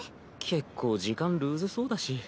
結構時間ルーズそうだし。